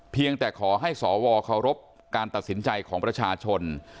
เพียงแต่ขอให้สวเคารพการตัดสินใจของประชาชน